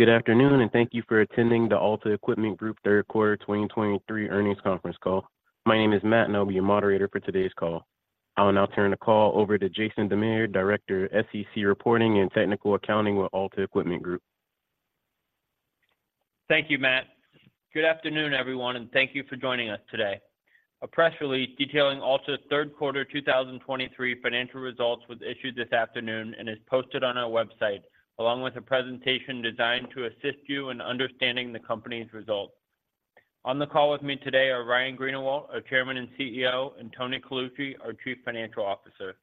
Good afternoon, and thank you for attending the Alta Equipment Group Q3 2023 earnings conference call. My name is Matt, and I'll be your moderator for today's call. I will now turn the call over to Jason Dammeyer, Director of SEC Reporting and Technical Accounting with Alta Equipment Group. Thank you, Matt. Good afternoon, everyone, and thank you for joining us today. A press release detailing Alta's Q3 2023 financial results was issued this afternoon and is posted on our website, along with a presentation designed to assist you in understanding the company's results. On the call with me today are Ryan Greenawalt, our Chairman and CEO, and Tony Colucci, our Chief Financial Officer.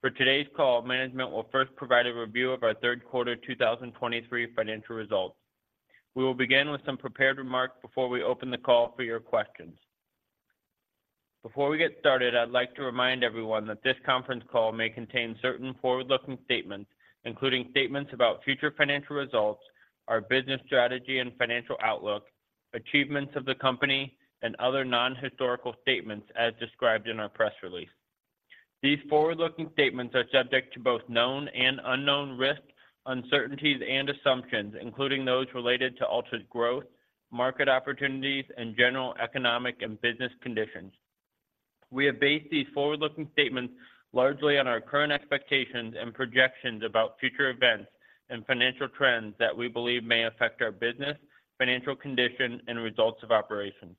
For today's call, management will first provide a review of our Q3 2023 financial results. We will begin with some prepared remarks before we open the call for your questions. Before we get started, I'd like to remind everyone that this conference call may contain certain forward-looking statements, including statements about future financial results, our business strategy and financial outlook, achievements of the company, and other non-historical statements as described in our press release. These forward-looking statements are subject to both known and unknown risks, uncertainties, and assumptions, including those related to Alta's growth, market opportunities, and general economic and business conditions. We have based these forward-looking statements largely on our current expectations and projections about future events and financial trends that we believe may affect our business, financial condition, and results of operations.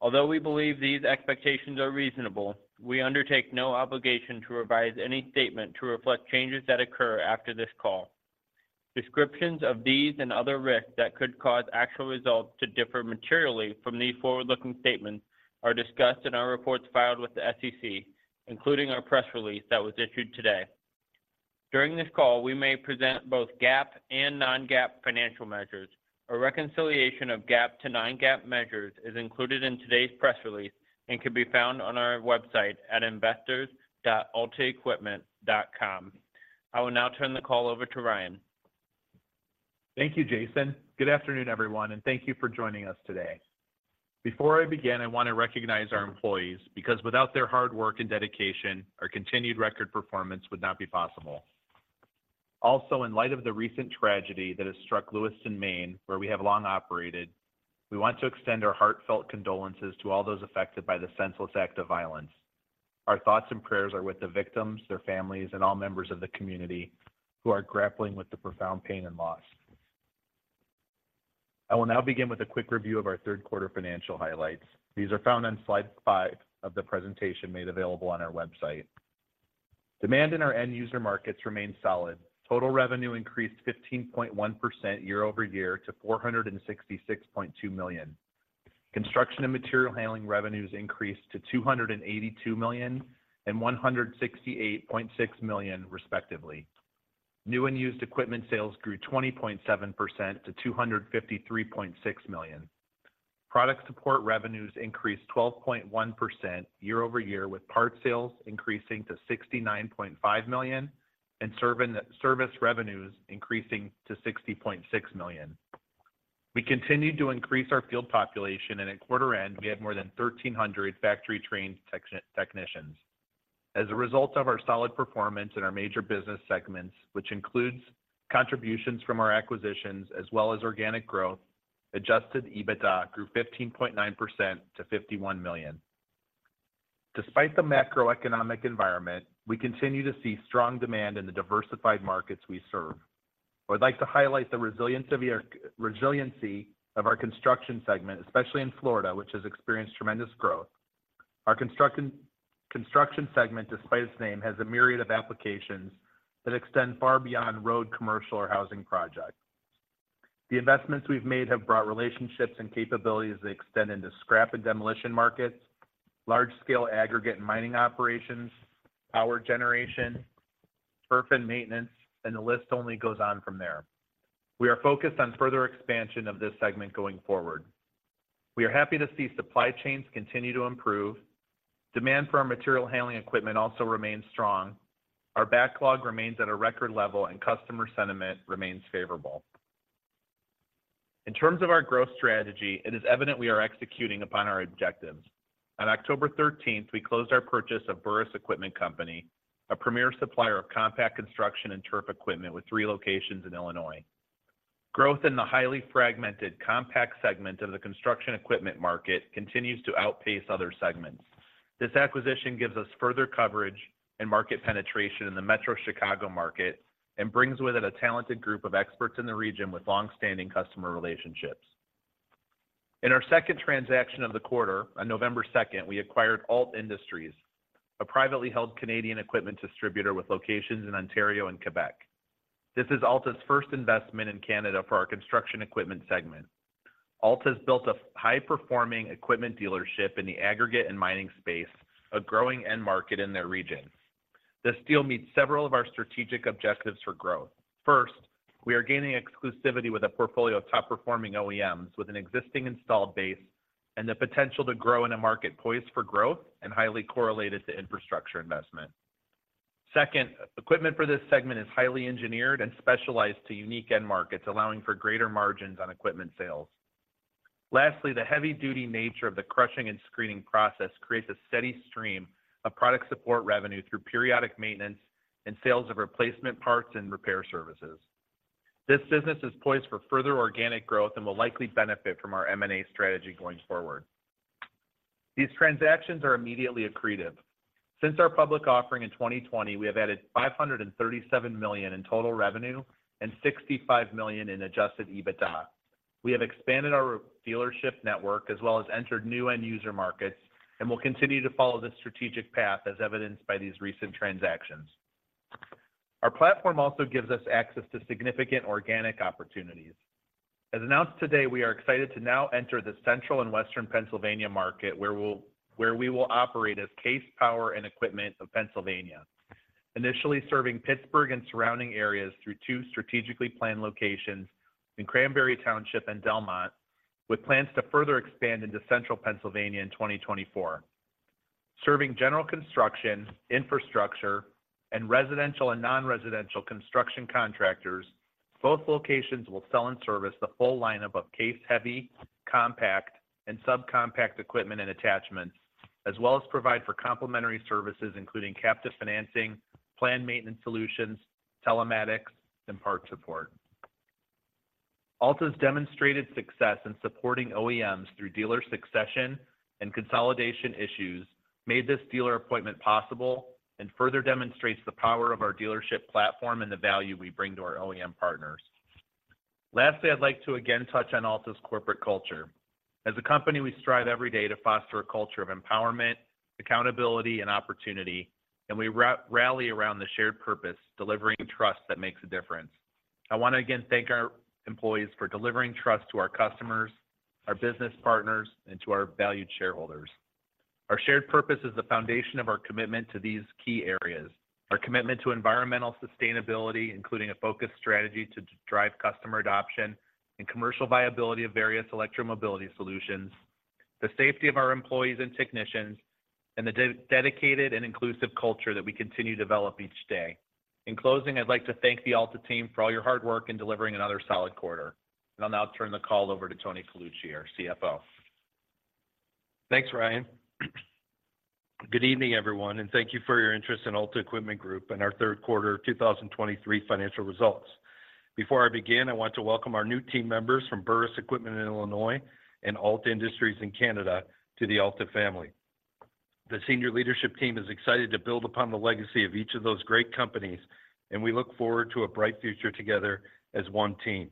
Although we believe these expectations are reasonable, we undertake no obligation to revise any statement to reflect changes that occur after this call. Descriptions of these and other risks that could cause actual results to differ materially from these forward-looking statements are discussed in our reports filed with the SEC, including our press release that was issued today. During this call, we may present both GAAP and non-GAAP financial measures. A reconciliation of GAAP to non-GAAP measures is included in today's press release and can be found on our website at investors.altaequipment.com. I will now turn the call over to Ryan. Thank you, Jason. Good afternoon, everyone, and thank you for joining us today. Before I begin, I want to recognize our employees, because without their hard work and dedication, our continued record performance would not be possible. Also, in light of the recent tragedy that has struck Lewiston, Maine, where we have long operated, we want to extend our heartfelt condolences to all those affected by the senseless act of violence. Our thoughts and prayers are with the victims, their families, and all members of the community who are grappling with the profound pain and loss. I will now begin with a quick review of our Q3 financial highlights. These are found on slide five of the presentation made available on our website. Demand in our end user markets remained solid. Total revenue increased 15.1% year-over-year to $466.2 million. Construction and material handling revenues increased to $282 million and $168.6 million, respectively. New and used equipment sales grew 20.7% to $253.6 million. Product support revenues increased 12.1% year-over-year, with parts sales increasing to $69.5 million and service revenues increasing to $60.6 million. We continued to increase our field population, and at quarter end, we had more than 1,300 factory-trained technicians. As a result of our solid performance in our major business segments, which includes contributions from our acquisitions as well as organic growth, Adjusted EBITDA grew 15.9% to $51 million. Despite the macroeconomic environment, we continue to see strong demand in the diversified markets we serve. I would like to highlight the resiliency of our construction segment, especially in Florida, which has experienced tremendous growth. Our construction segment, despite its name, has a myriad of applications that extend far beyond road, commercial, or housing projects. The investments we've made have brought relationships and capabilities that extend into scrap and demolition markets, large-scale aggregate and mining operations, power generation, turf and maintenance, and the list only goes on from there. We are focused on further expansion of this segment going forward. We are happy to see supply chains continue to improve. Demand for our material handling equipment also remains strong. Our backlog remains at a record level, and customer sentiment remains favorable. In terms of our growth strategy, it is evident we are executing upon our objectives. On October thirteenth, we closed our purchase of Burris Equipment Company, a premier supplier of compact construction and turf equipment with three locations in Illinois. Growth in the highly fragmented compact segment of the construction equipment market continues to outpace other segments. This acquisition gives us further coverage and market penetration in the metro Chicago market and brings with it a talented group of experts in the region with long-standing customer relationships. In our second transaction of the quarter, on November second, we acquired Ault Industries, a privately held Canadian equipment distributor with locations in Ontario and Quebec. This is Alta's first investment in Canada for our construction equipment segment. Alta has built a high-performing equipment dealership in the aggregate and mining space, a growing end market in their region. This deal meets several of our strategic objectives for growth. First, we are gaining exclusivity with a portfolio of top-performing OEMs with an existing installed base and the potential to grow in a market poised for growth and highly correlated to infrastructure investment. Second, equipment for this segment is highly engineered and specialized to unique end markets, allowing for greater margins on equipment sales... Lastly, the heavy-duty nature of the crushing and screening process creates a steady stream of product support revenue through periodic maintenance and sales of replacement parts and repair services. This business is poised for further organic growth and will likely benefit from our M&A strategy going forward. These transactions are immediately accretive. Since our public offering in 2020, we have added $537 million in total revenue and $65 million in Adjusted EBITDA. We have expanded our dealership network, as well as entered new end user markets, and will continue to follow this strategic path as evidenced by these recent transactions. Our platform also gives us access to significant organic opportunities. As announced today, we are excited to now enter the Central and Western Pennsylvania market, where we will operate as CASE Power and Equipment of Pennsylvania. Initially, serving Pittsburgh and surrounding areas through two strategically planned locations in Cranberry Township and Delmont, with plans to further expand into Central Pennsylvania in 2024. Serving general construction, infrastructure, and residential and non-residential construction contractors, both locations will sell and service the full lineup of CASE heavy, compact, and sub-compact equipment and attachments, as well as provide for complementary services, including captive financing, planned maintenance solutions, telematics, and parts support. Alta's demonstrated success in supporting OEMs through dealer succession and consolidation issues, made this dealer appointment possible and further demonstrates the power of our dealership platform and the value we bring to our OEM partners. Lastly, I'd like to again touch on Alta's corporate culture. As a company, we strive every day to foster a culture of empowerment, accountability, and opportunity, and we rally around the shared purpose, delivering trust that makes a difference. I want to again thank our employees for delivering trust to our customers, our business partners, and to our valued shareholders. Our shared purpose is the foundation of our commitment to these key areas. Our commitment to environmental sustainability, including a focused strategy to drive customer adoption and commercial viability of various electromobility solutions, the safety of our employees and technicians, and the dedicated and inclusive culture that we continue to develop each day. In closing, I'd like to thank the Alta team for all your hard work in delivering another solid quarter. I'll now turn the call over to Tony Colucci, our CFO. Thanks, Ryan. Good evening, everyone, and thank you for your interest in Alta Equipment Group and our Q3 of 2023 financial results. Before I begin, I want to welcome our new team members from Burris Equipment in Illinois and Ault Industries in Canada to the Alta family. The senior leadership team is excited to build upon the legacy of each of those great companies, and we look forward to a bright future together as one team.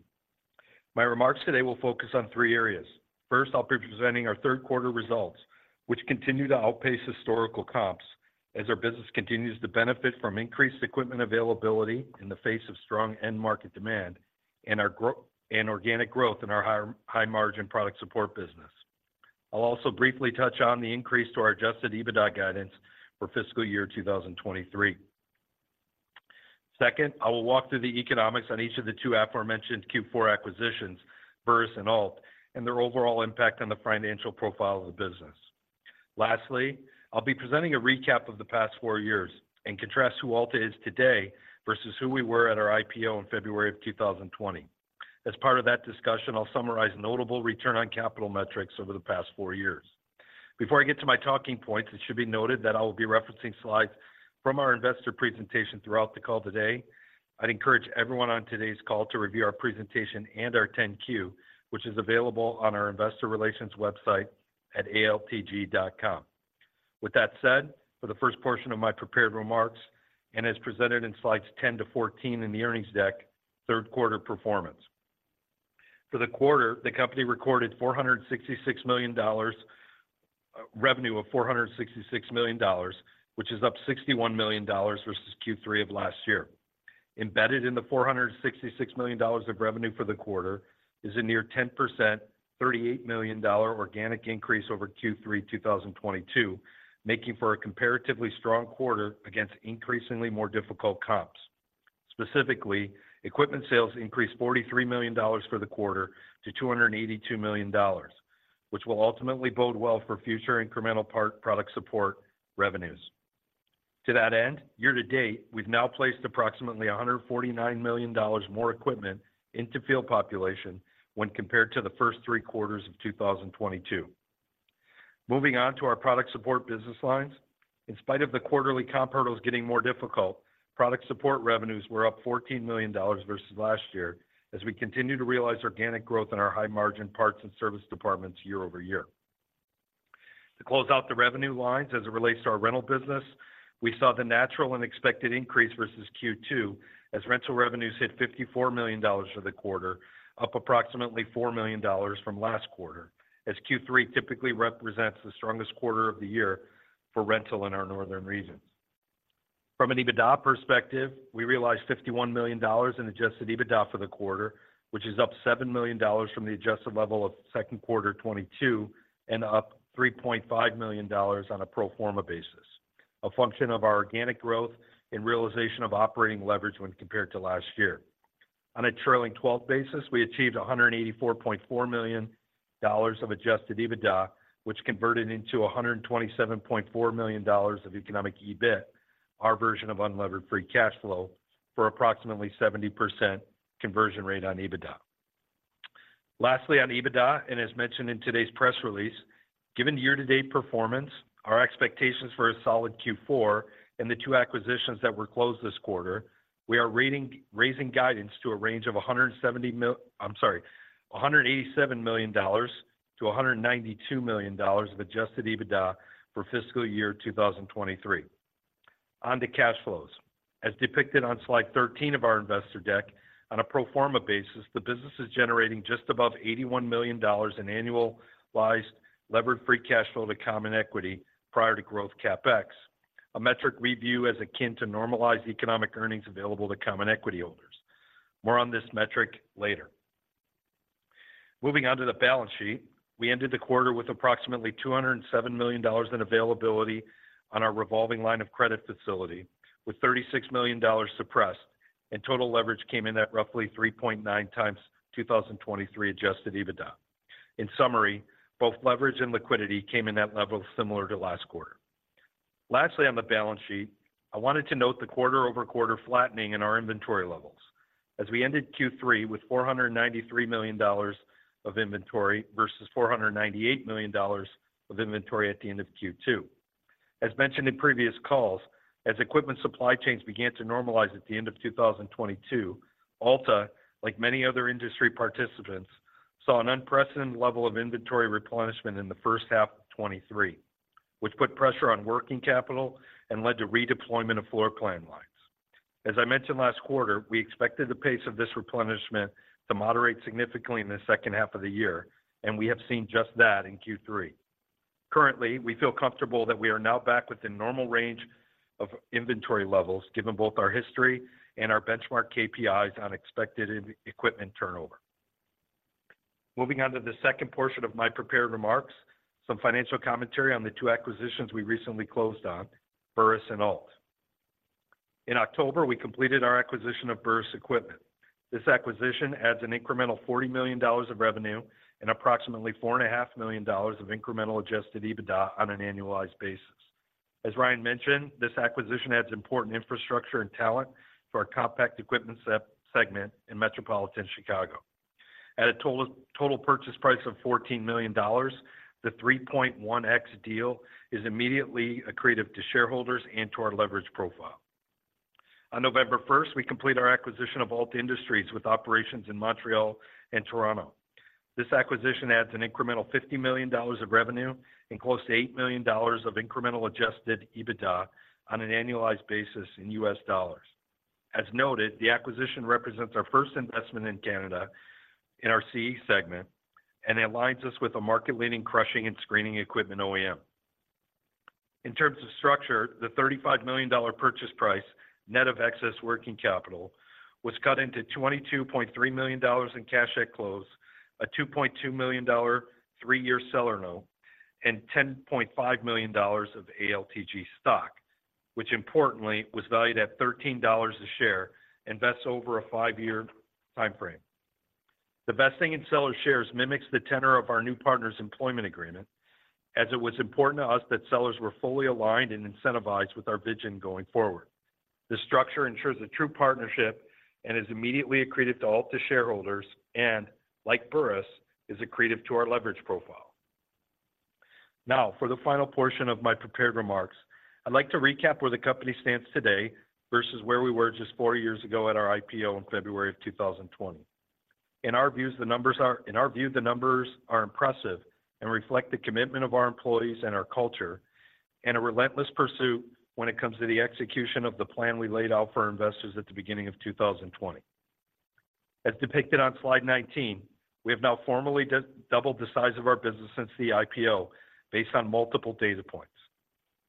My remarks today will focus on three areas. First, I'll be presenting our Q3 results, which continue to outpace historical comps as our business continues to benefit from increased equipment availability in the face of strong end market demand, and our organic growth in our high, high margin product support business. I'll also briefly touch on the increase to our Adjusted EBITDA guidance for fiscal year 2023. Second, I will walk through the economics on each of the two aforementioned Q4 acquisitions, Burris and Ault, and their overall impact on the financial profile of the business. Lastly, I'll be presenting a recap of the past four years and contrast who Alta is today versus who we were at our IPO in February 2020. As part of that discussion, I'll summarize notable return on capital metrics over the past four years. Before I get to my talking points, it should be noted that I will be referencing slides from our investor presentation throughout the call today. I'd encourage everyone on today's call to review our presentation and our 10-Q, which is available on our investor relations website at altg.com. With that said, for the first portion of my prepared remarks and as presented in slides 10 to 14 in the earnings deck, Q3 performance. For the quarter, the company recorded $466 million revenue of $466 million, which is up $61 million versus Q3 of last year. Embedded in the $466 million of revenue for the quarter is a near 10%, $38 million organic increase over Q3 2022, making for a comparatively strong quarter against increasingly more difficult comps. Specifically, equipment sales increased $43 million for the quarter to $282 million, which will ultimately bode well for future incremental part product support revenues. To that end, year to date, we've now placed approximately $149 million more equipment into field population when compared to the first three quarters of 2022. Moving on to our product support business lines. In spite of the quarterly comp hurdles getting more difficult, product support revenues were up $14 million versus last year, as we continue to realize organic growth in our high-margin parts and service departments year over year. To close out the revenue lines, as it relates to our rental business, we saw the natural and expected increase versus Q2, as rental revenues hit $54 million for the quarter, up approximately $4 million from last quarter, as Q3 typically represents the strongest quarter of the year for rental in our northern regions. From an EBITDA perspective, we realized $51 million in Adjusted EBITDA for the quarter, which is up $7 million from the adjusted level of Q2 2022, and up $3.5 million on a pro forma basis, a function of our organic growth and realization of operating leverage when compared to last year. On a trailing twelve basis, we achieved $184.4 million of Adjusted EBITDA, which converted into $127.4 million of Economic EBIT.... Our version of unlevered free cash flow for approximately 70% conversion rate on EBITDA. Lastly, on EBITDA, and as mentioned in today's press release, given year-to-date performance, our expectations for a solid Q4, and the two acquisitions that were closed this quarter, we are raising guidance to a range of—I'm sorry—$187 million-$192 million of Adjusted EBITDA for fiscal year 2023. On to cash flows. As depicted on slide 13 of our investor deck, on a pro forma basis, the business is generating just above $81 million in annualized levered free cash flow to common equity prior to growth CapEx, a metric we view as akin to normalized economic earnings available to common equity owners. More on this metric later. Moving on to the balance sheet. We ended the quarter with approximately $207 million in availability on our revolving line of credit facility, with $36 million suppressed, and total leverage came in at roughly 3.9x 2023 Adjusted EBITDA. In summary, both leverage and liquidity came in at levels similar to last quarter. Lastly, on the balance sheet, I wanted to note the quarter-over-quarter flattening in our inventory levels, as we ended Q3 with $493 million of inventory versus $498 million of inventory at the end of Q2. As mentioned in previous calls, as equipment supply chains began to normalize at the end of 2022, Alta, like many other industry participants, saw an unprecedented level of inventory replenishment in the first half of 2023, which put pressure on working capital and led to redeployment of floor plan lines. As I mentioned last quarter, we expected the pace of this replenishment to moderate significantly in the second half of the year, and we have seen just that in Q3. Currently, we feel comfortable that we are now back within normal range of inventory levels, given both our history and our benchmark KPIs on expected equipment turnover. Moving on to the second portion of my prepared remarks, some financial commentary on the two acquisitions we recently closed on, Burris and Ault. In October, we completed our acquisition of Burris Equipment. This acquisition adds an incremental $40 million of revenue and approximately $4.5 million of incremental Adjusted EBITDA on an annualized basis. As Ryan mentioned, this acquisition adds important infrastructure and talent to our Compact Equipment segment in Metropolitan Chicago. At a total purchase price of $14 million, the 3.1x deal is immediately accretive to shareholders and to our leverage profile. On November first, we complete our acquisition of Ault Industries with operations in Montreal and Toronto. This acquisition adds an incremental $50 million of revenue and close to $8 million of incremental Adjusted EBITDA on an annualized basis in US dollars. As noted, the acquisition represents our first investment in Canada in our CE segment, and it aligns us with a market-leading crushing and screening equipment OEM. In terms of structure, the $35 million purchase price, net of excess working capital, was cut into $22.3 million in cash at close, a $2.2 million three-year seller note, and $10.5 million of ALTG stock, which importantly, was valued at $13 a share and vests over a five-year time frame. The vesting in seller shares mimics the tenor of our new partner's employment agreement, as it was important to us that sellers were fully aligned and incentivized with our vision going forward. This structure ensures a true partnership and is immediately accretive to all our shareholders, and like Burris, is accretive to our leverage profile. Now, for the final portion of my prepared remarks, I'd like to recap where the company stands today versus where we were just 4 years ago at our IPO in February 2020. In our view, the numbers are impressive and reflect the commitment of our employees and our culture, and a relentless pursuit when it comes to the execution of the plan we laid out for our investors at the beginning of 2020. As depicted on slide 19, we have now formally doubled the size of our business since the IPO based on multiple data points.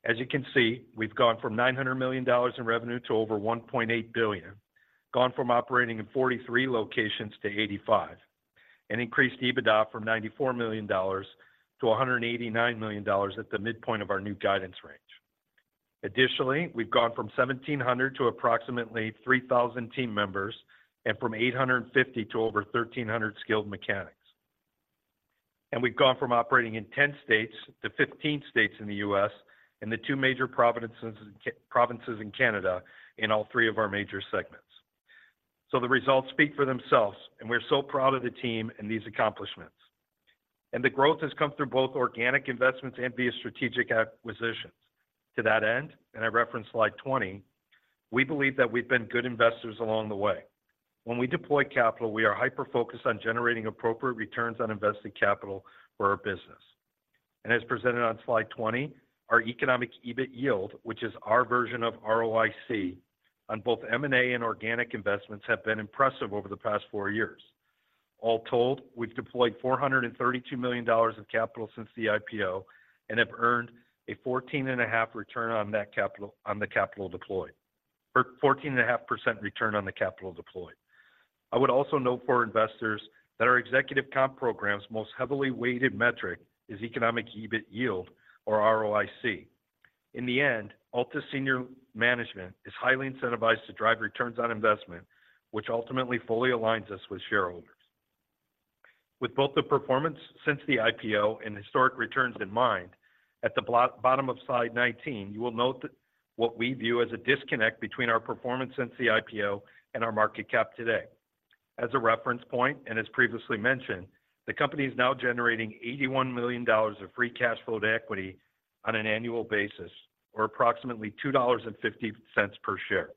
As you can see, we've gone from $9 million in revenue to over $1.8 billion, gone from operating in 43 locations to 85, and increased EBITDA from $94 million to $189 million at the midpoint of our new guidance range. Additionally, we've gone from 1,700 to approximately 3,000 team members, and from 850 to over 1,300 skilled mechanics. And we've gone from operating in 10 states to 15 states in the U.S. and the 2 major provinces in Canada, in all three of our major segments. So the results speak for themselves, and we're so proud of the team and these accomplishments. And the growth has come through both organic investments and via strategic acquisitions. To that end, and I reference slide 20, we believe that we've been good investors along the way. When we deploy capital, we are hyper-focused on generating appropriate returns on invested capital for our business. As presented on slide 20, our economic EBIT yield, which is our version of ROIC, on both M&A and organic investments, have been impressive over the past four years. All told, we've deployed $432 million of capital since the IPO and have earned a 14.5 return on that capital, on the capital deployed. For 14.5% return on the capital deployed. I would also note for investors that our executive comp program's most heavily weighted metric is economic EBIT yield, or ROIC. In the end, Alta's senior management is highly incentivized to drive returns on investment, which ultimately fully aligns us with shareholders... With both the performance since the IPO and historic returns in mind, at the bottom of slide 19, you will note that what we view as a disconnect between our performance since the IPO and our market cap today. As a reference point, and as previously mentioned, the company is now generating $81 million of free cash flow to equity on an annual basis, or approximately $2.50 per share.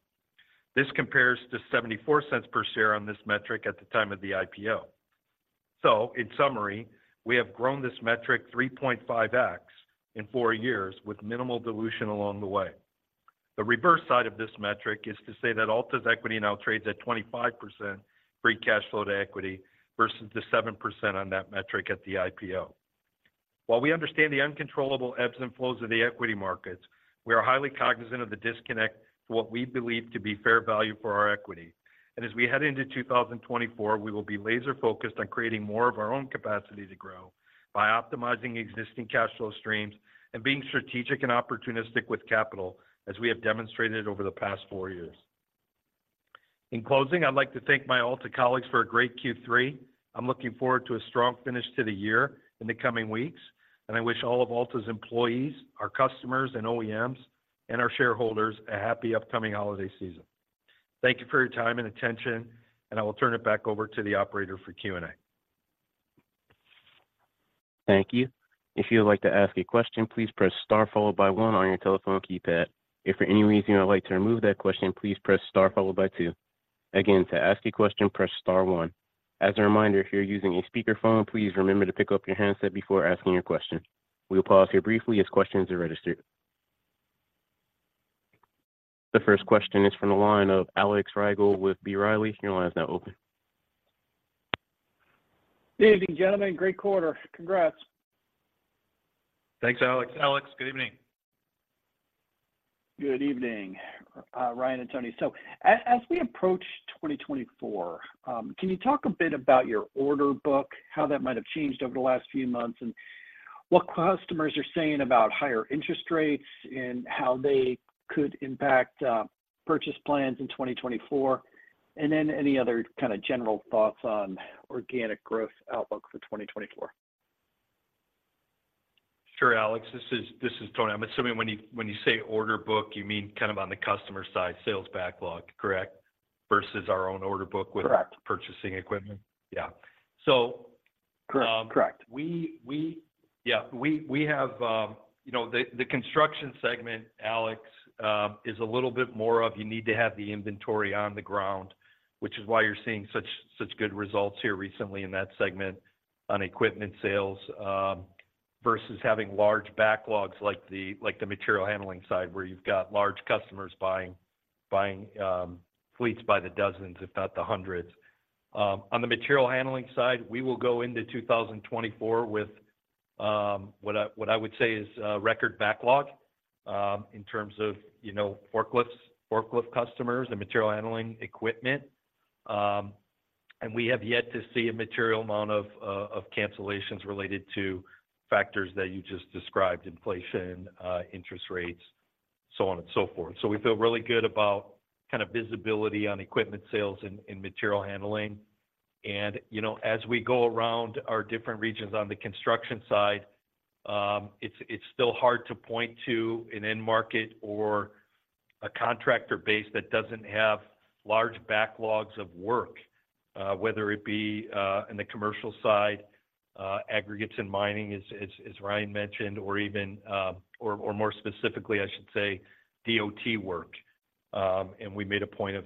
This compares to $0.74 per share on this metric at the time of the IPO. So in summary, we have grown this metric 3.5x in four years with minimal dilution along the way. The reverse side of this metric is to say that Alta's equity now trades at 25% free cash flow to equity versus the 7% on that metric at the IPO. While we understand the uncontrollable ebbs and flows of the equity markets, we are highly cognizant of the disconnect to what we believe to be fair value for our equity. As we head into 2024, we will be laser focused on creating more of our own capacity to grow by optimizing existing cash flow streams and being strategic and opportunistic with capital, as we have demonstrated over the past four years. In closing, I'd like to thank my Alta colleagues for a great Q3. I'm looking forward to a strong finish to the year in the coming weeks, and I wish all of Alta's employees, our customers and OEMs, and our shareholders a happy upcoming holiday season. Thank you for your time and attention, and I will turn it back over to the operator for Q&A. Thank you. If you would like to ask a question, please press star followed by one on your telephone keypad. If for any reason you would like to remove that question, please press star followed by two. Again, to ask a question, press star one. As a reminder, if you're using a speakerphone, please remember to pick up your handset before asking your question. We will pause here briefly as questions are registered. The first question is from the line of Alex Rygiel with B. Riley. Your line is now open. Good evening, gentlemen. Great quarter. Congrats. Thanks, Alex. Alex, good evening. Good evening, Ryan and Tony. So as we approach 2024, can you talk a bit about your order book, how that might have changed over the last few months, and what customers are saying about higher interest rates and how they could impact purchase plans in 2024? And then any other kind of general thoughts on organic growth outlook for 2024. Sure, Alex. This is Tony. I'm assuming when you say order book, you mean kind of on the customer side, sales backlog, correct? Versus our own order book- Correct... with purchasing equipment? Yeah. So- Correct. Correct. Yeah, we have, you know, the construction segment, Alex, is a little bit more of you need to have the inventory on the ground, which is why you're seeing such good results here recently in that segment on equipment sales. Versus having large backlogs like the material handling side, where you've got large customers buying fleets by the dozens, if not the hundreds. On the material handling side, we will go into 2024 with what I would say is record backlog in terms of, you know, forklifts, forklift customers and material handling equipment. And we have yet to see a material amount of cancellations related to factors that you just described: inflation, interest rates, so on and so forth. So we feel really good about kind of visibility on equipment sales and material handling. And, you know, as we go around our different regions on the construction side, it's still hard to point to an end market or a contractor base that doesn't have large backlogs of work, whether it be in the commercial side, aggregates and mining, as Ryan mentioned, or even, or more specifically, I should say, DOT work. And we made a point of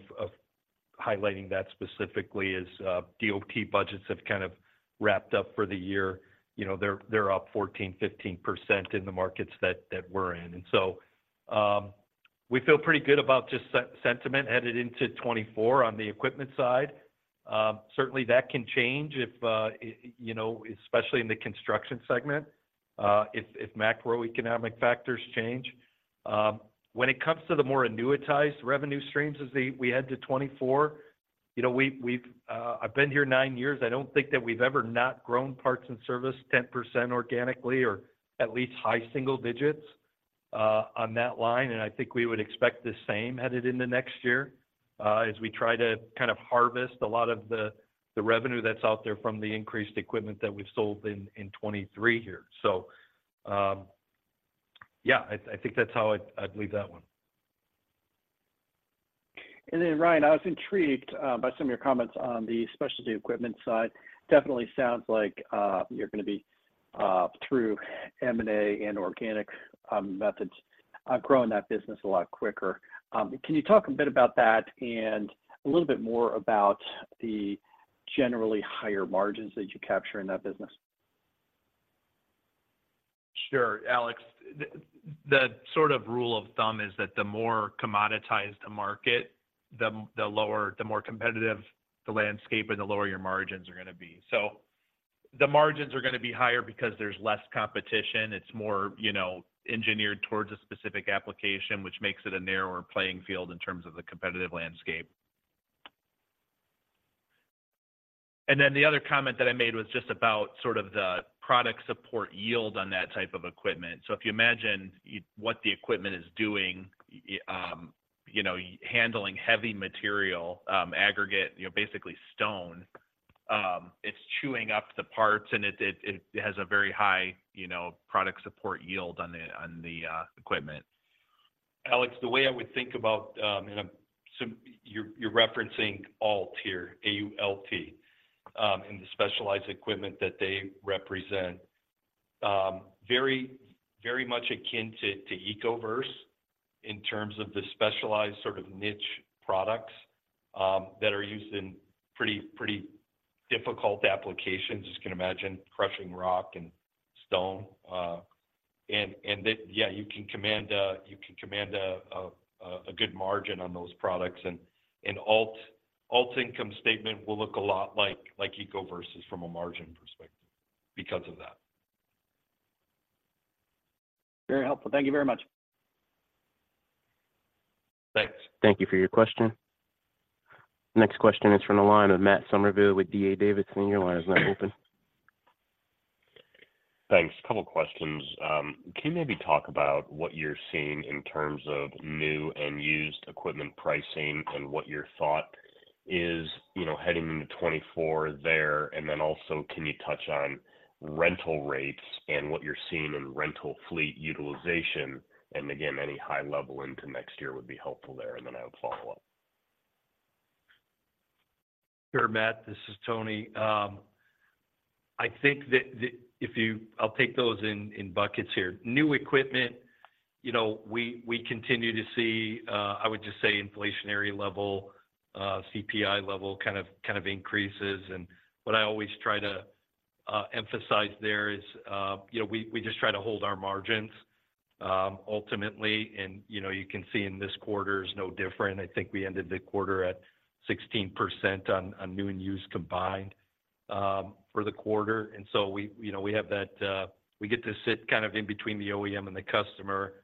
highlighting that specifically as DOT budgets have kind of wrapped up for the year. You know, they're up 14%-15% in the markets that we're in. And so, we feel pretty good about just sentiment headed into 2024 on the equipment side. Certainly, that can change if you know, especially in the construction segment, if macroeconomic factors change. When it comes to the more annuitized revenue streams as we head to 2024, you know, we've, we've... I've been here nine years, I don't think that we've ever not grown parts and service 10% organically, or at least high single digits on that line. And I think we would expect the same headed into next year as we try to kind of harvest a lot of the revenue that's out there from the increased equipment that we've sold in 2023 here. So, yeah, I think that's how I'd leave that one. And then, Ryan, I was intrigued by some of your comments on the specialty equipment side. Definitely sounds like you're gonna be through M&A and organic methods growing that business a lot quicker. Can you talk a bit about that and a little bit more about the generally higher margins that you capture in that business? Sure, Alex. The sort of rule of thumb is that the more commoditized the market, the more competitive the landscape and the lower your margins are gonna be. So the margins are gonna be higher because there's less competition. It's more, you know, engineered towards a specific application, which makes it a narrower playing field in terms of the competitive landscape. And then the other comment that I made was just about sort of the product support yield on that type of equipment. So if you imagine what the equipment is doing.... you know, handling heavy material, aggregate, you know, basically stone, it's chewing up the parts, and it has a very high, you know, product support yield on the equipment. Alex, the way I would think about, so you're referencing Ault here, A-U-L-T, and the specialized equipment that they represent. Very, very much akin to Ecoverse in terms of the specialized sort of niche products that are used in pretty, pretty difficult applications. As you can imagine, crushing rock and stone. And that, yeah, you can command a good margin on those products. And Ault's income statement will look a lot like Ecoverse's from a margin perspective because of that. Very helpful. Thank you very much. Thanks. Thank you for your question. Next question is from the line of Matt Summerville with D.A. Davidson. Your line is now open. Thanks. A couple questions. Can you maybe talk about what you're seeing in terms of new and used equipment pricing and what your thought is, you know, heading into 2024 there? And then also, can you touch on rental rates and what you're seeing in rental fleet utilization? And again, any high level into next year would be helpful there, and then I would follow up. Sure, Matt, this is Tony. I think that I'll take those in buckets here. New equipment, you know, we continue to see, I would just say inflationary level, CPI level kind of increases. And what I always try to emphasize there is, you know, we just try to hold our margins, ultimately. And, you know, you can see in this quarter is no different. I think we ended the quarter at 16% on new and used combined, for the quarter. And so we, you know, we have that. We get to sit kind of in between the OEM and the customer.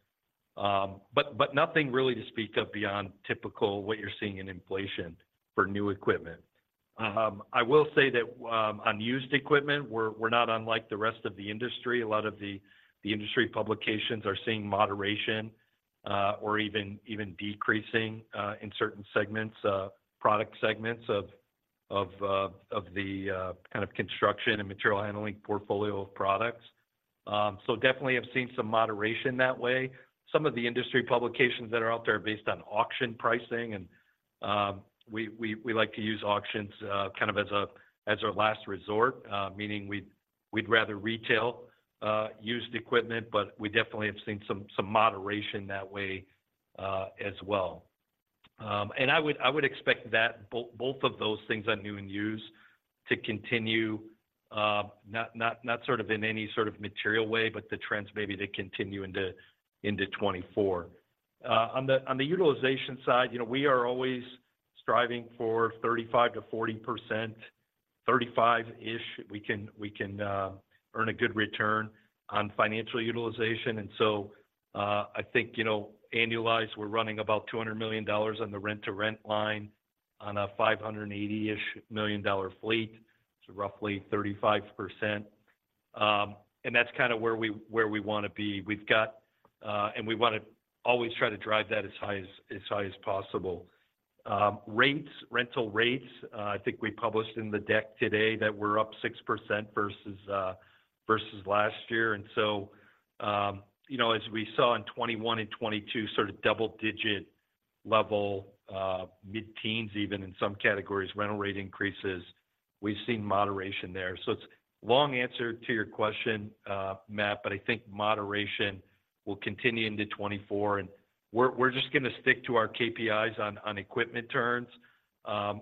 But nothing really to speak of beyond typical, what you're seeing in inflation for new equipment. I will say that, on used equipment, we're not unlike the rest of the industry. A lot of the industry publications are seeing moderation, or even decreasing, in certain segments, product segments of the kind of construction and material handling portfolio of products. So definitely have seen some moderation that way. Some of the industry publications that are out there are based on auction pricing, and we like to use auctions kind of as our last resort, meaning we'd rather retail used equipment, but we definitely have seen some moderation that way, as well. And I would, I would expect that both, both of those things on new and used to continue, not, not, not sort of in any sort of material way, but the trends maybe they continue into 2024. On the, on the utilization side, you know, we are always striving for 35%-40%. 35-ish, we can, we can, earn a good return on financial utilization. And so, I think, you know, annualized, we're running about $200 million on the rent-to-rent line on a $580-ish million dollar fleet. It's roughly 35%. And that's kind of where we, where we wanna be. We've got... and we wanna always try to drive that as high as, as high as possible. Rates, rental rates, I think we published in the deck today that we're up 6% versus last year. And so, you know, as we saw in 2021 and 2022, sort of double-digit level, mid-teens even in some categories, rental rate increases, we've seen moderation there. So it's long answer to your question, Matt, but I think moderation will continue into 2024, and we're just gonna stick to our KPIs on equipment turns.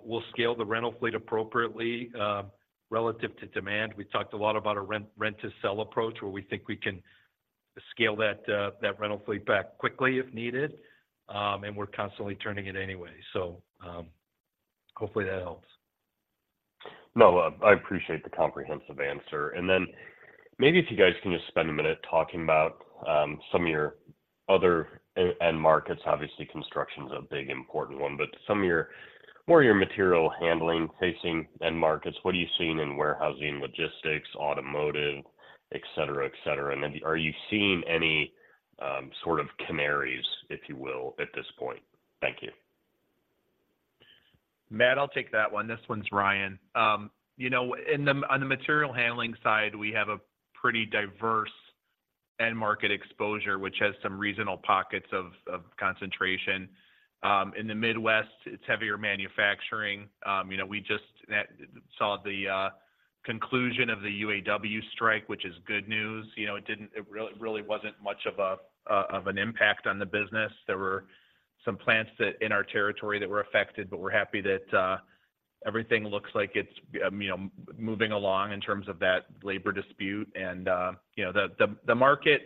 We'll scale the rental fleet appropriately relative to demand. We talked a lot about a rent-to-sell approach, where we think we can scale that rental fleet back quickly, if needed, and we're constantly turning it anyway. So, hopefully that helps. No, I appreciate the comprehensive answer. And then maybe if you guys can just spend a minute talking about some of your other end markets. Obviously, construction's a big important one, but some of your more material handling facing end markets. What are you seeing in warehousing, logistics, automotive, et cetera, et cetera? And then are you seeing any sort of canaries, if you will, at this point? Thank you. Matt, I'll take that one. This one's Ryan. You know, in the, on the material handling side, we have a pretty diverse end market exposure, which has some reasonable pockets of concentration. In the Midwest, it's heavier manufacturing. You know, we just saw the conclusion of the UAW strike, which is good news. You know, it didn't, it really, really wasn't much of an impact on the business. There were some plants that, in our territory, that were affected, but we're happy that everything looks like it's, you know, moving along in terms of that labor dispute. And, you know, the market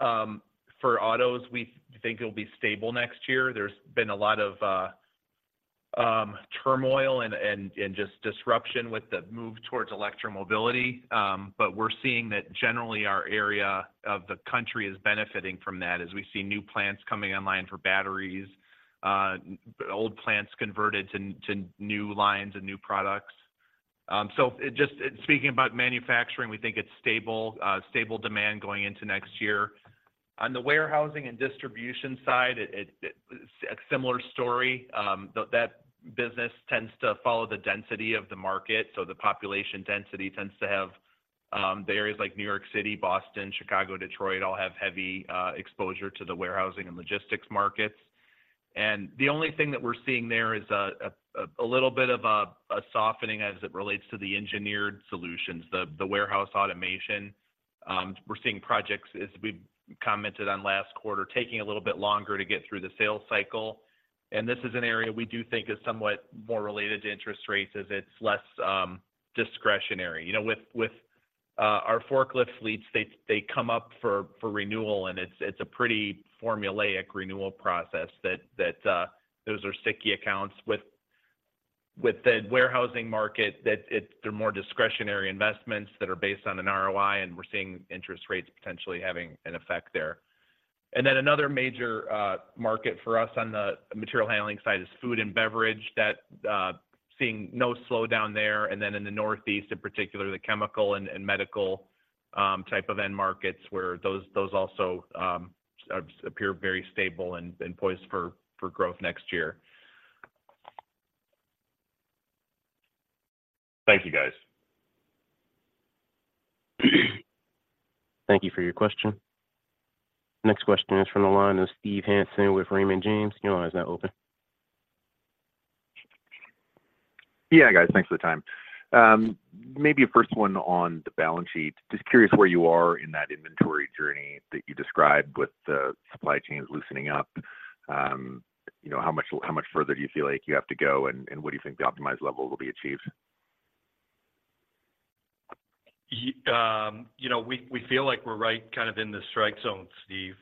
for autos, we think it'll be stable next year. There's been a lot of turmoil and just disruption with the move towards electromobility. We're seeing that generally our area of the country is benefiting from that, as we see new plants coming online for batteries, old plants converted to new lines and new products.... so it just, it's speaking about manufacturing, we think it's stable, stable demand going into next year. On the warehousing and distribution side, it's a similar story. That business tends to follow the density of the market. So the population density tends to have the areas like New York City, Boston, Chicago, Detroit, all have heavy exposure to the warehousing and logistics markets. And the only thing that we're seeing there is a little bit of a softening as it relates to the engineered solutions, the warehouse automation. We're seeing projects, as we commented on last quarter, taking a little bit longer to get through the sales cycle. And this is an area we do think is somewhat more related to interest rates, as it's less discretionary. You know, with our forklift fleets, they come up for renewal, and it's a pretty formulaic renewal process that those are sticky accounts. With the warehousing market, they're more discretionary investments that are based on an ROI, and we're seeing interest rates potentially having an effect there. And then another major market for us on the material handling side is food and beverage seeing no slowdown there. And then in the Northeast, in particular, the chemical and medical type of end markets, where those also appear very stable and poised for growth next year. Thank you, guys. Thank you for your question. Next question is from the line of Steve Hansen with Raymond James. Your line is now open. Yeah, guys, thanks for the time. Maybe a first one on the balance sheet. Just curious where you are in that inventory journey that you described with the supply chains loosening up. You know, how much, how much further do you feel like you have to go, and, and what do you think the optimized level will be achieved? Yeah, you know, we feel like we're right kind of in the strike zone, Steve.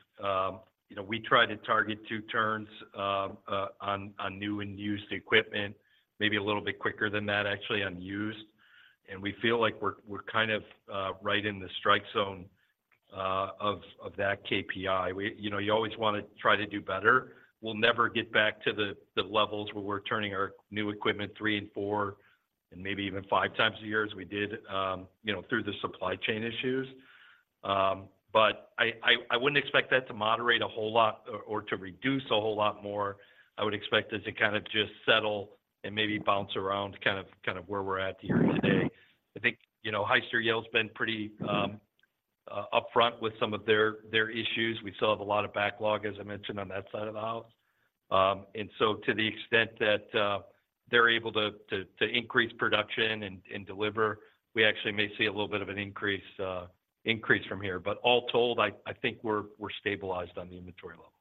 You know, we try to target two turns on new and used equipment, maybe a little bit quicker than that, actually, on used. And we feel like we're kind of right in the strike zone of that KPI. You know, you always wanna try to do better. We'll never get back to the levels where we're turning our new equipment three and four, and maybe even five times a year, as we did, you know, through the supply chain issues. But I wouldn't expect that to moderate a whole lot or to reduce a whole lot more. I would expect it to kind of just settle and maybe bounce around kind of where we're at here today. I think, you know, Hyster-Yale's been pretty upfront with some of their issues. We still have a lot of backlog, as I mentioned, on that side of the house. And so to the extent that they're able to increase production and deliver, we actually may see a little bit of an increase from here. But all told, I think we're stabilized on the inventory level.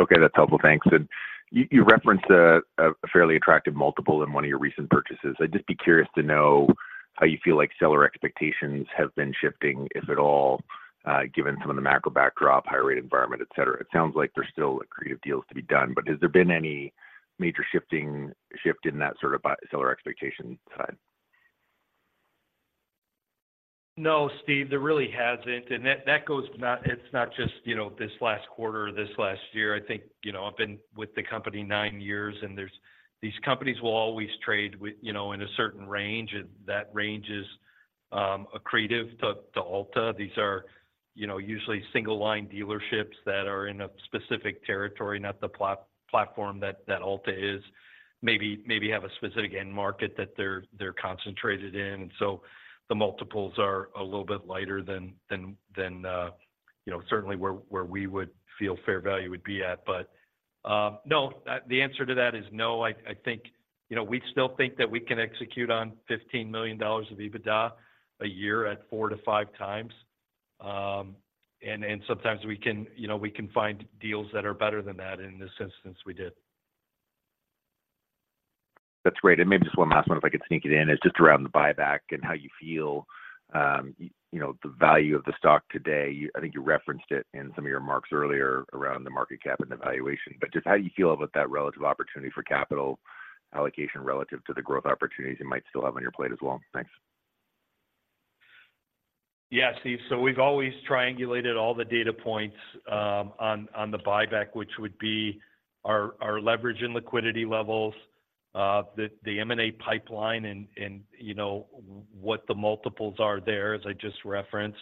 Okay, that's helpful. Thanks. And you referenced a fairly attractive multiple in one of your recent purchases. I'd just be curious to know how you feel like seller expectations have been shifting, if at all, given some of the macro backdrop, high-rate environment, et cetera. It sounds like there's still creative deals to be done, but has there been any major shift in that sort of seller expectation side? No, Steve, there really hasn't. And that goes not just, you know, this last quarter or this last year. I think, you know, I've been with the company nine years, and there's these companies will always trade with, you know, in a certain range, and that range is accretive to Alta. These are, you know, usually single-line dealerships that are in a specific territory, not the platform that Alta is. Maybe, maybe have a specific end market that they're concentrated in. And so the multiples are a little bit lighter than, you know, certainly where we would feel fair value would be at. But, no, the answer to that is no. I think, you know, we still think that we can execute on $15 million of EBITDA a year at 4x-5x. And sometimes we can, you know, we can find deals that are better than that, and in this instance, we did. That's great. And maybe just one last one, if I could sneak it in, is just around the buyback and how you feel, you know, the value of the stock today. I think you referenced it in some of your remarks earlier around the market cap and the valuation. But just how do you feel about that relative opportunity for capital allocation relative to the growth opportunities you might still have on your plate as well? Thanks. Yeah, Steve. So we've always triangulated all the data points on the buyback, which would be our leverage and liquidity levels, the M&A pipeline, and, you know, what the multiples are there, as I just referenced,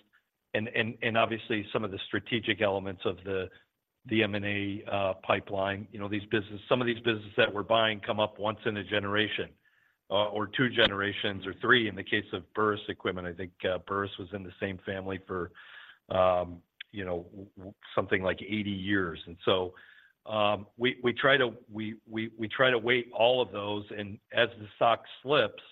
and obviously, some of the strategic elements of the M&A pipeline. You know, these businesses, some of these businesses that we're buying come up once in a generation, or two generations, or three in the case of Burris Equipment. I think Burris was in the same family for, you know, something like 80 years. And so, we try to weight all of those, and as the stock slips,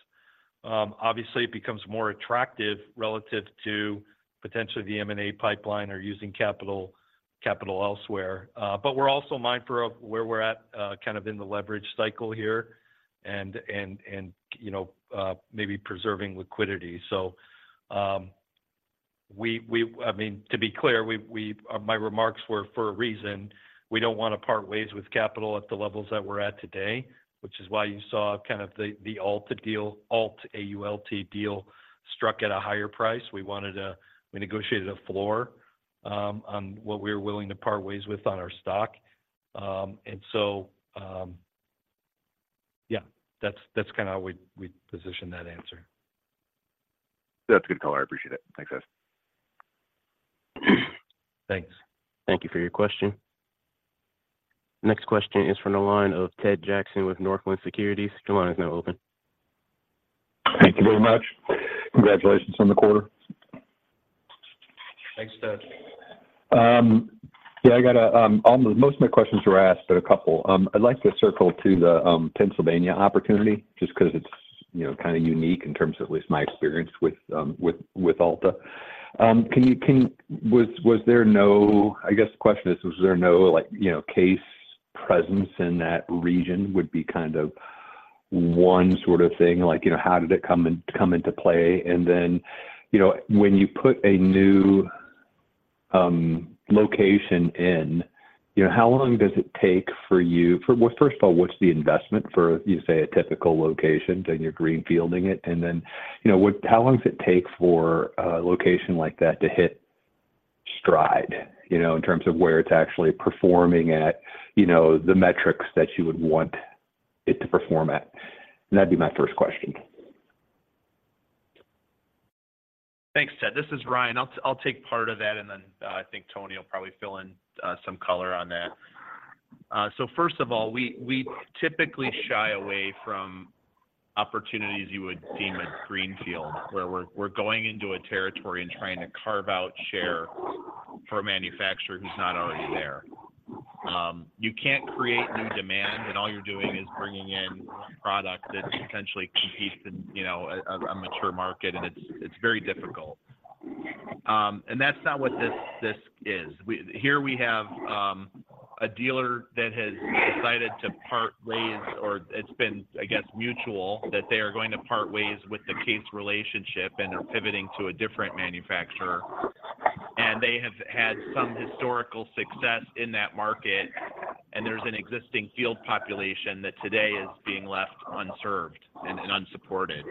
obviously, it becomes more attractive relative to potentially the M&A pipeline or using capital elsewhere. But we're also mindful of where we're at, kind of in the leverage cycle here and, you know, maybe preserving liquidity. So, I mean, to be clear, my remarks were for a reason. We don't want to part ways with capital at the levels that we're at today, which is why you saw kind of the Ault deal... Ault, Ault deal, struck at a higher price. We wanted a—we negotiated a floor on what we're willing to part ways with on our stock. And so, yeah, that's kinda how we position that answer. That's a good call. I appreciate it. Thanks, guys. Thanks. Thank you for your question. Next question is from the line of Ted Jackson with Northland Securities. Your line is now open. Thank you very much. Congratulations on the quarter. Thanks, Ted. Yeah, most of my questions were asked, but a couple. I'd like to circle to the Pennsylvania opportunity, just 'cause it's, you know, kinda unique in terms of at least my experience with Alta. Was there no... I guess the question is, was there no, like, you know, CASE presence in that region? Would be kind of one sort of thing. Like, you know, how did it come into play? And then, you know, when you put a new location in, you know, how long does it take for, well, first of all, what's the investment for, you say, a typical location, then you're greenfielding it, and then, you know, how long does it take for a location like that to hit stride, you know, in terms of where it's actually performing at, you know, the metrics that you would want it to perform at? And that'd be my first question. Thanks, Ted. This is Ryan. I'll take part of that, and then, I think Tony will probably fill in some color on that. So first of all, we typically shy away from opportunities you would deem a greenfield, where we're going into a territory and trying to carve out share for a manufacturer who's not already there. You can't create new demand, and all you're doing is bringing in product that potentially competes in, you know, a mature market, and it's very difficult. And that's not what this is. Here we have a dealer that has decided to part ways, or it's been, I guess, mutual, that they are going to part ways with the CASE relationship and are pivoting to a different manufacturer. They have had some historical success in that market, and there's an existing field population that today is being left unserved and unsupported.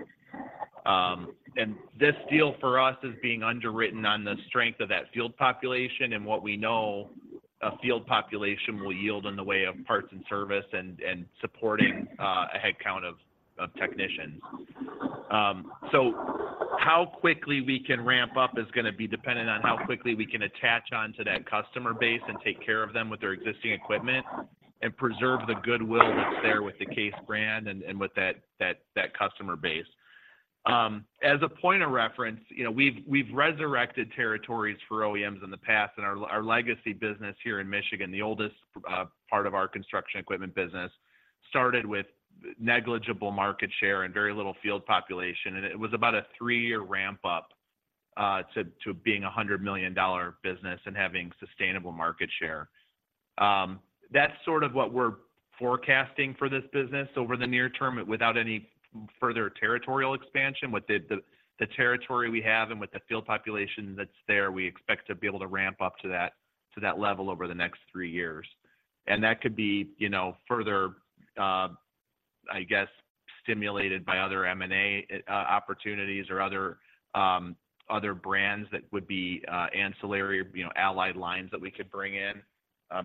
This deal for us is being underwritten on the strength of that field population and what we know a field population will yield in the way of parts and service and supporting a headcount of technicians. How quickly we can ramp up is gonna be dependent on how quickly we can attach onto that customer base and take care of them with their existing equipment, and preserve the goodwill that's there with the CASE brand and with that customer base. As a point of reference, you know, we've resurrected territories for OEMs in the past, and our legacy business here in Michigan, the oldest part of our construction equipment business, started with negligible market share and very little field population, and it was about a three-year ramp up to being a $100 million business and having sustainable market share. That's sort of what we're forecasting for this business over the near term, without any further territorial expansion. With the territory we have and with the field population that's there, we expect to be able to ramp up to that level over the next three years. That could be, you know, further, I guess, stimulated by other M&A opportunities or other brands that would be ancillary, you know, allied lines that we could bring in.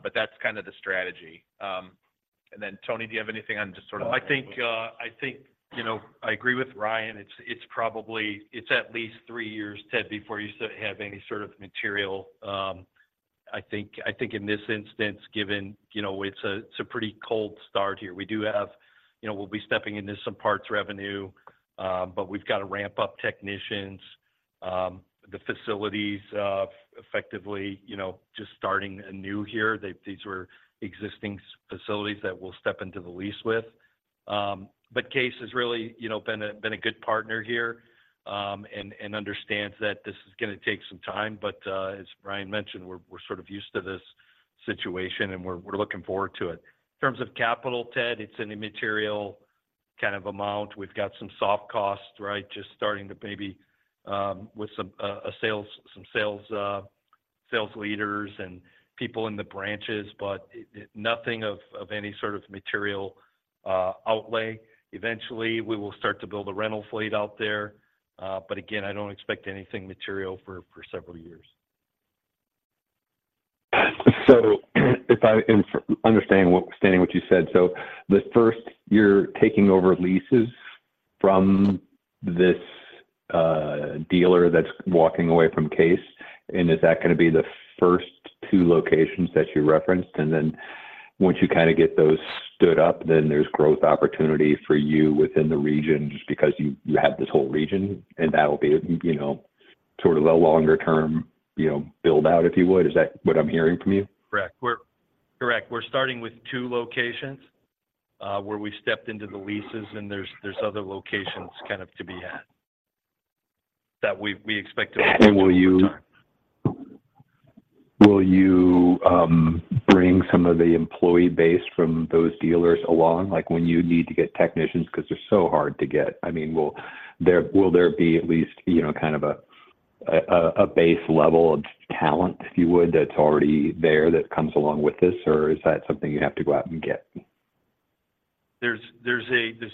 But that's kind of the strategy. And then, Tony, do you have anything on just sort of- I think, I think, you know, I agree with Ryan. It's, it's probably... it's at least three years, Ted, before you start to have any sort of material, I think, I think in this instance, given, you know, it's a, it's a pretty cold start here. We do have, you know, we'll be stepping into some parts revenue, but we've got to ramp up technicians, the facilities, effectively, you know, just starting anew here. These were existing facilities that we'll step into the lease with. But CASE has really, you know, been a, been a good partner here, and, and understands that this is gonna take some time. But, as Ryan mentioned, we're, we're sort of used to this situation, and we're, we're looking forward to it. In terms of capital, Ted, it's an immaterial kind of amount. We've got some soft costs, right, just starting to maybe with some sales leaders and people in the branches, but nothing of any sort of material outlay. Eventually, we will start to build a rental fleet out there, but again, I don't expect anything material for several years. So if I in understanding what you said, so the first, you're taking over leases from this dealer that's walking away from CASE, and is that gonna be the first two locations that you referenced? And then once you kinda get those stood up, then there's growth opportunity for you within the region, just because you have this whole region, and that'll be, you know, sort of a longer term, you know, build-out, if you would. Is that what I'm hearing from you? Correct. We're starting with two locations where we've stepped into the leases, and there's other locations kind of to be had that we expect to- Will you bring some of the employee base from those dealers along, like, when you need to get technicians? Because they're so hard to get. I mean, will there be at least, you know, kind of a base level of talent, if you would, that's already there that comes along with this, or is that something you have to go out and get?... there's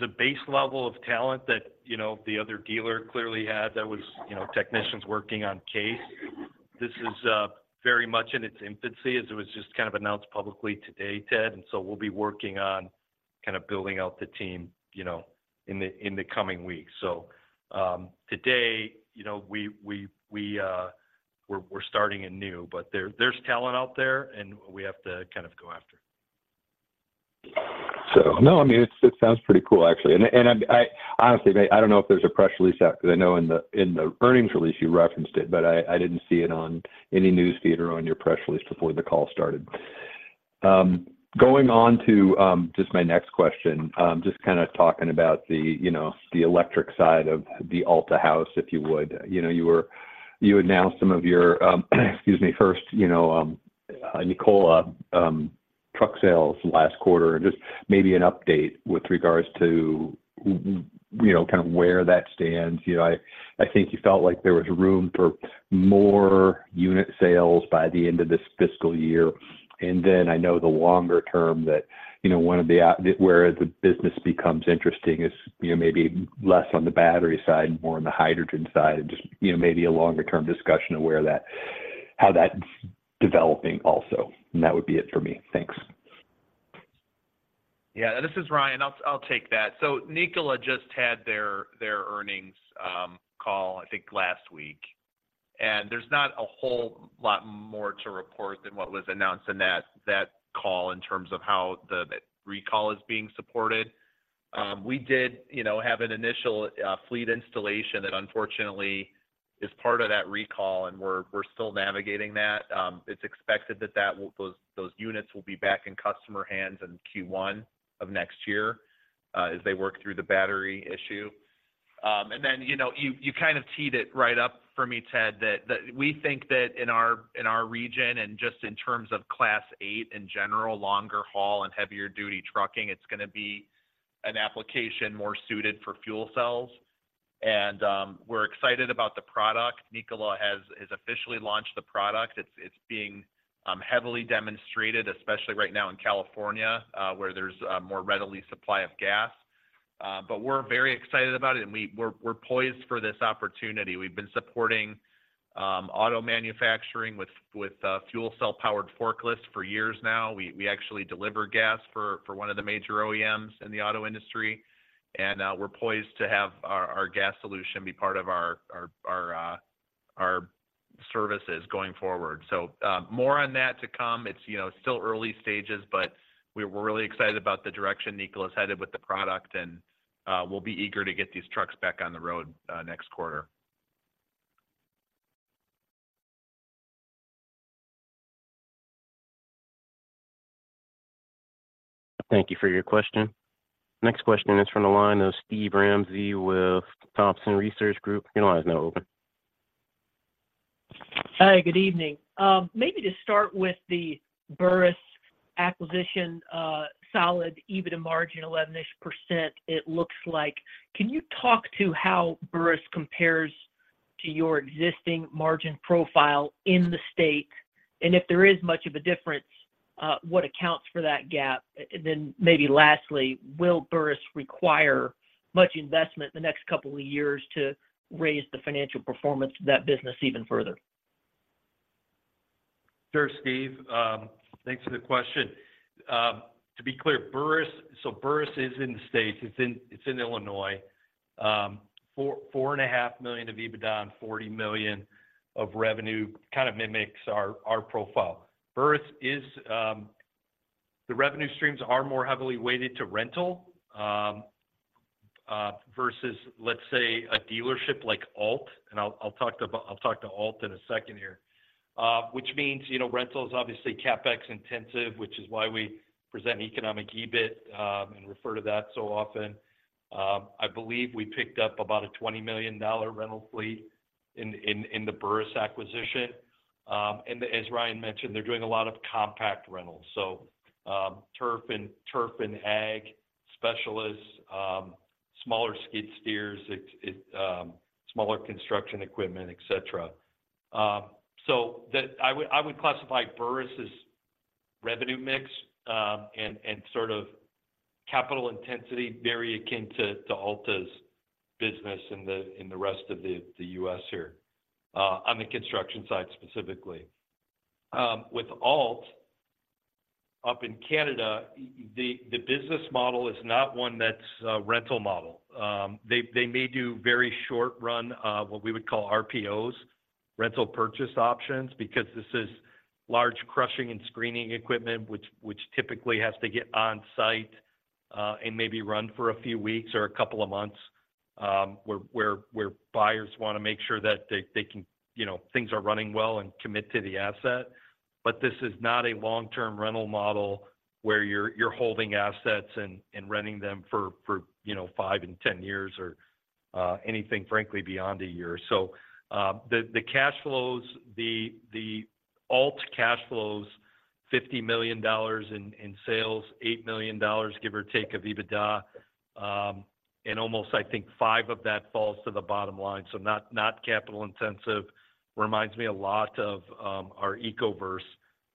a base level of talent that, you know, the other dealer clearly had that was, you know, technicians working on CASE. This is very much in its infancy, as it was just kind of announced publicly today, Ted, and so we'll be working on kind of building out the team, you know, in the coming weeks. So, today, you know, we're starting anew. But there's talent out there, and we have to kind of go after it. So no, I mean, it sounds pretty cool, actually. I honestly don't know if there's a press release out, 'cause I know in the earnings release, you referenced it, but I didn't see it on any news feed or on your press release before the call started. Going on to just my next question. Just kinda talking about the, you know, the electric side of the Alta house, if you would. You know, you announced some of your excuse me first, you know, Nikola truck sales last quarter, and just maybe an update with regards to you know, kind of where that stands. You know, I think you felt like there was room for more unit sales by the end of this fiscal year. And then, I know the longer term that, you know, one of the where the business becomes interesting is, you know, maybe less on the battery side, more on the hydrogen side, and just, you know, maybe a longer-term discussion on where that how that's developing also. And that would be it for me. Thanks. Yeah, this is Ryan. I'll, I'll take that. So Nikola just had their, their earnings call, I think, last week, and there's not a whole lot more to report than what was announced in that, that call in terms of how the, the recall is being supported. We did, you know, have an initial fleet installation that unfortunately is part of that recall, and we're, we're still navigating that. It's expected that that will—those, those units will be back in customer hands in Q1 of next year as they work through the battery issue. And then, you know, you, you kind of teed it right up for me, Ted, that, that we think that in our, in our region and just in terms of Class 8 in general, longer haul and heavier duty trucking, it's gonna be an application more suited for fuel cells. And, we're excited about the product. Nikola has officially launched the product. It's being heavily demonstrated, especially right now in California, where there's a more readily supply of gas. But we're very excited about it, and we're poised for this opportunity. We've been supporting auto manufacturing with fuel cell-powered forklifts for years now. We actually deliver gas for one of the major OEMs in the auto industry, and we're poised to have our gas solution be part of our services going forward. So, more on that to come. It's, you know, still early stages, but we're really excited about the direction Nikola is headed with the product, and we'll be eager to get these trucks back on the road next quarter. Thank you for your question. Next question is from the line of Steve Ramsey with Thompson Research Group. Your line is now open. Hi, good evening. Maybe to start with the Burris acquisition, solid EBITDA margin, 11%-ish, it looks like. Can you talk to how Burris compares to your existing margin profile in the state? And if there is much of a difference, what accounts for that gap? And then maybe lastly, will Burris require much investment in the next couple of years to raise the financial performance of that business even further? Sure, Steve. Thanks for the question. To be clear, Burris—so Burris is in the States, it's in Illinois. Four to $4.5 million of EBITDA on $40 million of revenue, kind of mimics our profile. Burris is... the revenue streams are more heavily weighted to rental versus, let's say, a dealership like Alta, and I'll talk to Alta in a second here. Which means, you know, rental is obviously CapEx intensive, which is why we present Economic EBIT and refer to that so often. I believe we picked up about a $20 million rental fleet in the Burris acquisition. And as Ryan mentioned, they're doing a lot of compact rentals, so, turf and ag specialists, smaller skid steers, smaller construction equipment, et cetera. So, I would classify Burris's revenue mix, and sort of capital intensity, very akin to Alta's business in the rest of the U.S. here, on the construction side, specifically. With Alta up in Canada, the business model is not one that's a rental model. They may do very short run, what we would call RPOs, rental purchase options, because this is large crushing and screening equipment, which typically has to get on site, and maybe run for a few weeks or a couple of months, where buyers want to make sure that they can... You know, things are running well and commit to the asset. But this is not a long-term rental model where you're holding assets and renting them for, you know, 5 and 10 years or anything, frankly, beyond a year. So, the cash flows, the Alta cash flows, $50 million in sales, $8 million, give or take, of EBITDA, and almost, I think, $5 million of that falls to the bottom line, so not capital intensive. Reminds me a lot of our Ecoverse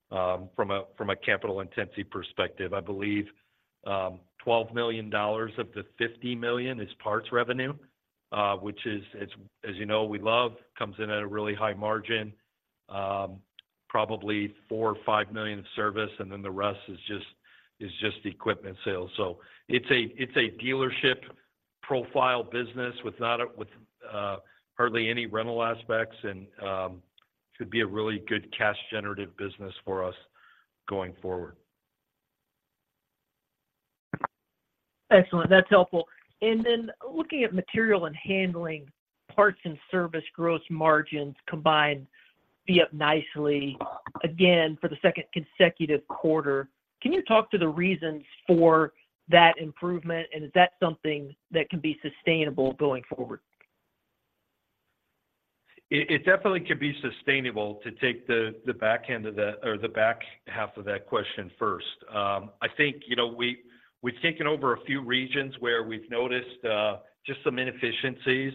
from a capital intensity perspective. I believe $12 million of the $50 million is parts revenue, which is, as you know, we love, comes in at a really high margin. Probably $4-$5 million in service, and then the rest is just equipment sales. So it's a dealership profile business with hardly any rental aspects, and should be a really good cash-generative business for us going forward. Excellent. That's helpful. Then looking at material handling, parts and service, gross margins combined were up nicely, again, for the second consecutive quarter. Can you talk to the reasons for that improvement, and is that something that can be sustainable going forward? It definitely can be sustainable, to take the back end of that or the back half of that question first. I think, you know, we've taken over a few regions where we've noticed just some inefficiencies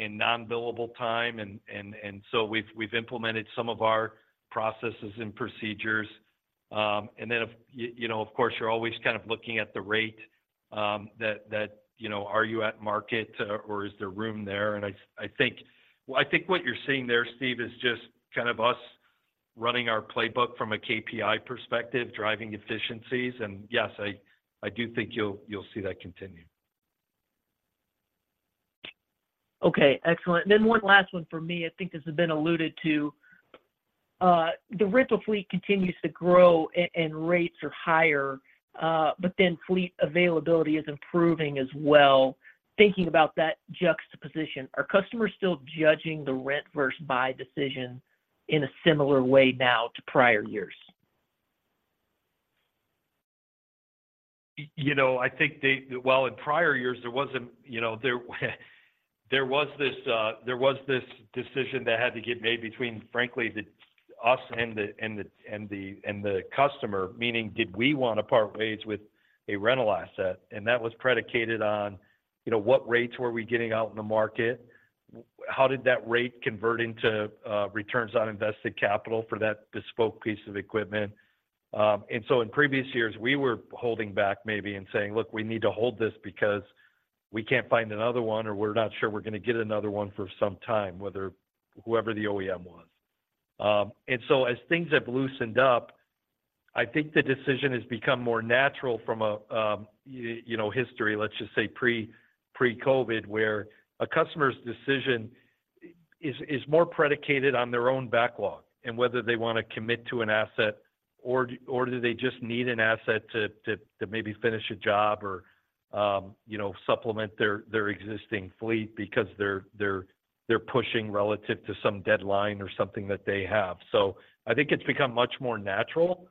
in non-billable time, and so we've implemented some of our processes and procedures. And then, you know, of course, you're always kind of looking at the rate, that you know, are you at market or is there room there? And I think, well, I think what you're seeing there, Steve, is just kind of us running our playbook from a KPI perspective, driving efficiencies. And yes, I do think you'll see that continue. Okay, excellent. And then one last one for me. I think this has been alluded to. The rental fleet continues to grow and rates are higher, but then fleet availability is improving as well. Thinking about that juxtaposition, are customers still judging the rent versus buy decision in a similar way now to prior years? You know, I think, well, in prior years, there wasn't, you know, there was this decision that had to get made between, frankly, us and the customer, meaning, did we want to part ways with a rental asset? And that was predicated on, you know, what rates were we getting out in the market? How did that rate convert into returns on invested capital for that bespoke piece of equipment? And so in previous years, we were holding back maybe and saying, "Look, we need to hold this because we can't find another one, or we're not sure we're gonna get another one for some time," whether whoever the OEM was. And so as things have loosened up, I think the decision has become more natural from a, you know, history, let's just say pre-COVID, where a customer's decision is more predicated on their own backlog and whether they want to commit to an asset or do they just need an asset to maybe finish a job or, you know, supplement their existing fleet because they're pushing relative to some deadline or something that they have. So I think it's become much more natural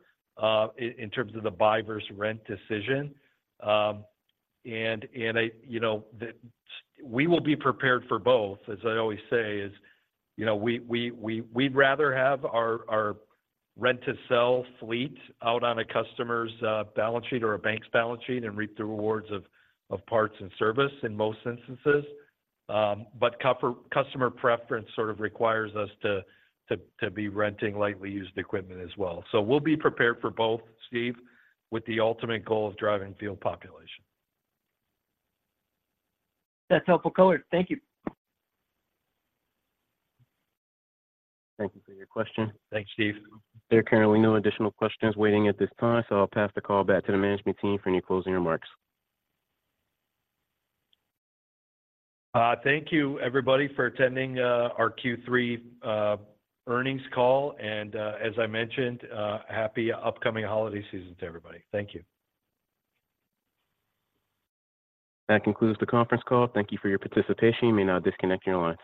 in terms of the buy versus rent decision. And I... You know, we will be prepared for both, as I always say, you know, we'd rather have our rent-to-sell fleet out on a customer's balance sheet or a bank's balance sheet and reap the rewards of parts and service in most instances. But customer preference sort of requires us to be renting lightly used equipment as well. So we'll be prepared for both, Steve, with the ultimate goal of driving field population. That's helpful color. Thank you. Thank you for your question. Thanks, Steve. There are currently no additional questions waiting at this time, so I'll pass the call back to the management team for any closing remarks. Thank you, everybody, for attending our Q3 earnings call, and as I mentioned, happy upcoming holiday season to everybody. Thank you. That concludes the conference call. Thank you for your participation. You may now disconnect your line.